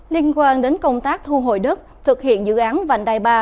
liên quan đến công tác thu hội đất thực hiện dự án vành đài ba